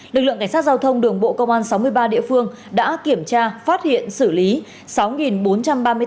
lực lượng cảnh sát giao thông đường bộ công an sáu mươi ba địa phương đã kiểm tra phát hiện xử lý